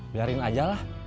biarin aja lah